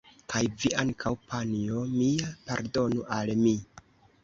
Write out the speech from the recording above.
Kaj vi ankaŭ, panjo mia, pardonu al mi!